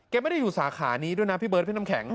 ไม่ได้อยู่สาขานี้ด้วยนะพี่เบิร์ดพี่น้ำแข็ง